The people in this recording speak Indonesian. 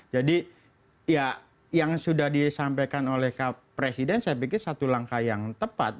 jadi yang sudah disampaikan oleh presiden saya pikir satu langkah yang tepat